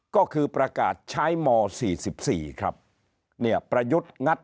ก็คือประกาศใช้ม๔๔ครับเนี่ยประยุทธ์งัด